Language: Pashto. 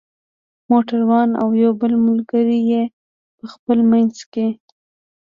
موټر وان او یو بل ملګری یې په خپل منځ کې.